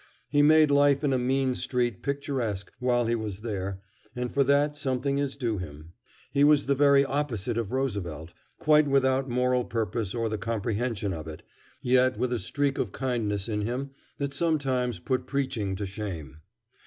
He made life in a mean street picturesque while he was there, and for that something is due him. He was the very opposite of Roosevelt quite without moral purpose or the comprehension of it, yet with a streak of kindness in him that sometimes put preaching to shame.